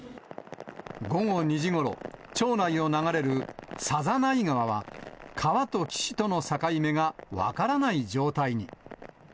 午後２時ごろ、町内を流れる笹内川は川と岸との境目が分からない状態に。